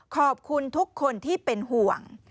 ขอบคุณทุกคนที่เป็นห่วง